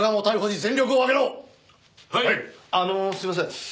あのすいません。